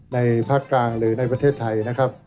ภาคกลางหรือในประเทศไทยนะครับ